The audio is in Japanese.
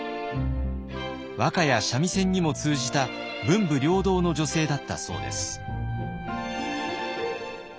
和歌や三味線にも通じた文武両道の女性だったそうです。